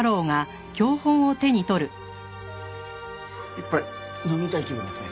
１杯飲みたい気分ですね。